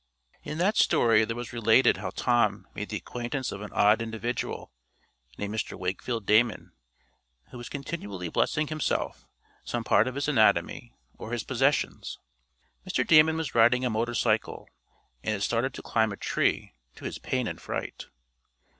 In that story there was related how Tom made the acquaintance of an odd individual, named Mr. Wakefield Damon, who was continually blessing himself, some part of his anatomy, or his possessions. Mr. Damon was riding a motor cycle, and it started to climb a tree, to his pain and fright.